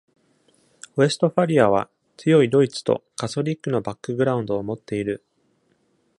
ウェストファリアは強いドイツとカソリックのバックグラウンドを持っている。